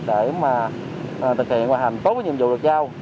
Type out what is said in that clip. để mà thực hiện hành tốt